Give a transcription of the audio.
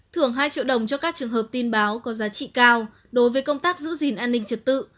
thưởng hai triệu đồng cho các trường hợp tin báo có giá trị cao đối với công tác giữ gìn an ninh trật tự